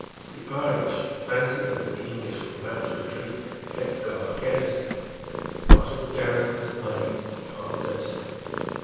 The Irish, fancying that the English were about to retreat, kept guard carelessly. Part of the garrison was idling, part dosing.